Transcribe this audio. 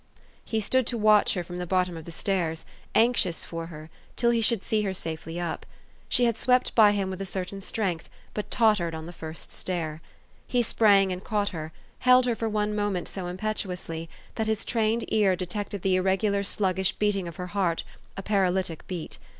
He stood to watch her from the bottom of the stairs, anxious for her, till he should see her safely up. She had swept by him with a certain strength, but tottered on the first stair. He sprang and caught her ; held her for one moment so impetuously, that his trained ear detected the irregular, sluggish beat ing of her heart, a paratytic beat.